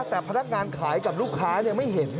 แต่พนักงานขายกับลูกค้าไม่เห็น